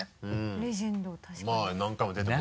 レジェンド確かに。